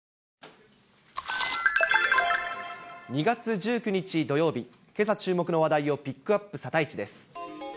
２月１９日土曜日、けさ注目の話題をピックアップ、サタイチです。